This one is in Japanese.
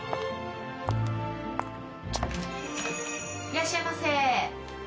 いらっしゃいませ。